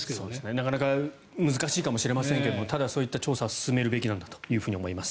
なかなか難しいかもしれませんがただ、そういった調査は進めるべきなんだと思います。